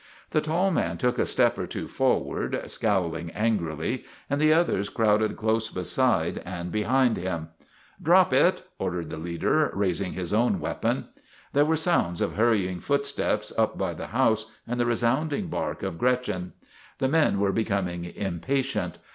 The tall man took a step or two forward, scowling angrily, and the others crowded close beside and be hind him. " Drop it !' ordered the leader, raising his own weapon. There were sounds of hurrying footsteps up by the house and the resounding bark of Gretchen. The men were becoming impatient.